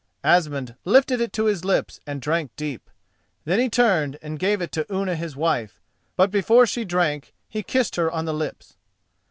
Asmund lifted it to his lips and drank deep. Then he turned and gave it to Unna his wife, but before she drank he kissed her on the lips.